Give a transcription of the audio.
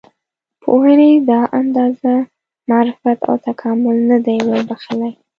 پوهنې دا اندازه معرفت او تکامل نه دی وربښلی.